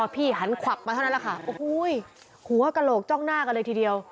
พี่หันขวับมาเท่านั้นแหละค่ะโอ้โหหัวกระโหลกจ้องหน้ากันเลยทีเดียว